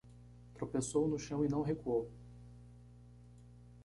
Tropeçou no chão e não recuou